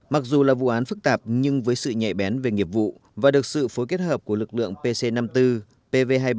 mặc dù là vụ án phức tạp nhưng với sự nhạy bén về nghiệp vụ và được sự phối kết hợp của lực lượng pc năm mươi bốn pv hai mươi bảy